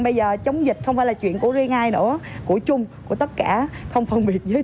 bây giờ chống dịch không phải là chuyện của riêng ai nữa của chung của tất cả không phân biệt dưới